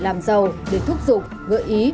làm giàu để thúc giục gợi ý